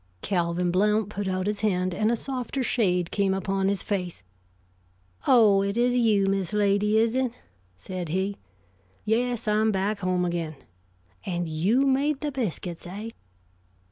Calvin Blount put out his hand, and a softer shade came upon his face. "Oh, it is you, Miss Lady, is it?" said he. "Yes, I'm back home again. And you made the biscuits, eh?"